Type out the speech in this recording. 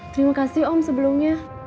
terima kasih om sebelumnya